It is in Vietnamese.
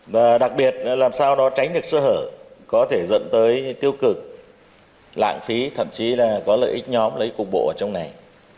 và đặc biệt làm sao đó tránh được sơ hở có thể dẫn tới tiêu cực lãng phí thậm chí là có lợi ích nhóm lấy cục bộ ở trong này